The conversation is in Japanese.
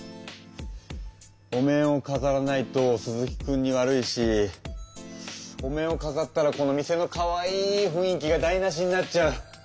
お面をかざらないと鈴木くんに悪いしお面をかざったらこの店のかわいいふんい気がだいなしになっちゃう。